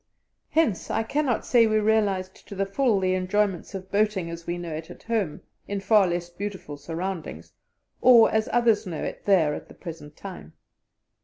Hence I cannot say we realized to the full the enjoyments of boating as we know it at home in far less beautiful surroundings, or as others know it there at the present time.